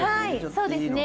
そうですね。